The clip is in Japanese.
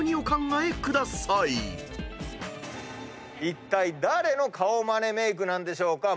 いったい誰の顔真似メイクなんでしょうか？